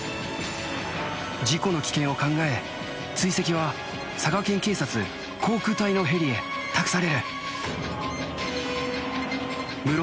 事故の危険を考え追跡は佐賀県警察航空隊のヘリへ託される無論